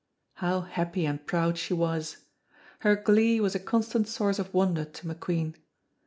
How happy and proud she was! Her glee was a constant source of wonder to McQueen.